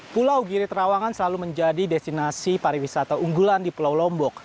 pulau giri terawangan selalu menjadi destinasi pariwisata unggulan di pulau lombok